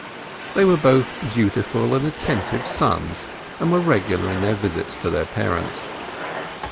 They were both dutiful and attentive sons, and were regular in their visits to their parents.